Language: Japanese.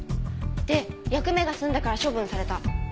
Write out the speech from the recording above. で役目が済んだから処分された。